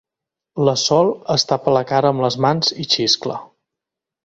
La Sol es tapa la cara amb les mans i xiscla.